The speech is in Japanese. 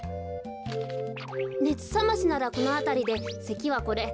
ねつさましならこのあたりでせきはこれ。